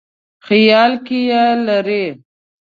خیال کې لري.